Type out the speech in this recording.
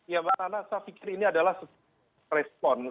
ya makanya saya pikir ini adalah respon